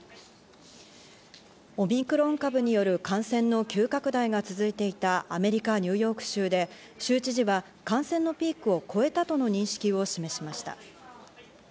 オミクロン株による感染の急拡大が続いていたアメリカ・ニューヨーク州で州知事は感染のピークを越えたとの認識を示しました。